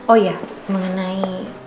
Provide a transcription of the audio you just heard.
oh iya mengenai